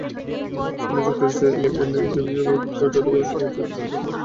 সামনে যুক্তরাষ্ট্রের Eli and Edythe Broad জাদুঘরে শুরু হচ্ছে দুজনের মিলিত প্রদর্শনী।